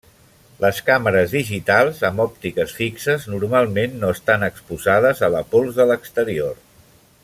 Les càmeres digitals amb òptiques fixes normalment no estan exposades a la pols de l'exterior.